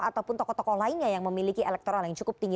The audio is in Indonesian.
ataupun tokoh tokoh lainnya yang memiliki elektoral yang cukup tinggi